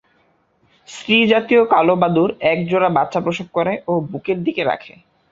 স্ত্রীজাতীয় কলাবাদুড় এক জোড়া বাচ্চা প্রসব করে ও বুকের দিকে রাখে।